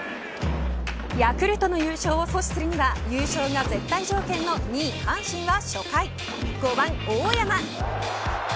ヤクルトの優勝を阻止するには優勝が絶対条件の２位阪神は初回５番、大山。